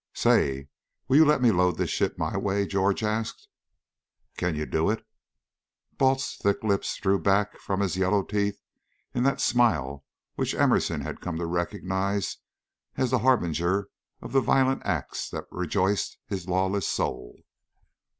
"Say! Will you let me load this ship my way?" George asked. "Can you do it?" Balt's thick lips drew back from his yellow teeth in that smile which Emerson had come to recognize as a harbinger of the violent acts that rejoiced his lawless soul.